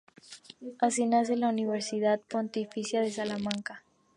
Así nace la Universidad Pontificia de Salamanca.